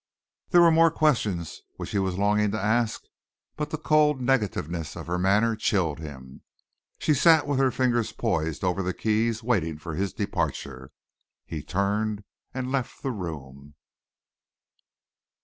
There were more questions which he was longing to ask, but the cold negativeness of her manner chilled him. She sat with her fingers poised over the keys, waiting for his departure. He turned and left the room.